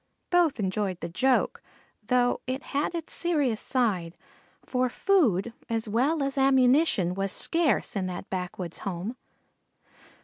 Both enjoyed the joke, though it had its serious side, for food as well as ammunition was scarce in that backwoods home.